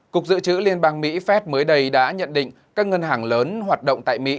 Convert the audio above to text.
cục dự trữ liên bang mỹ fed mới đây đã nhận định các ngân hàng lớn hoạt động tại mỹ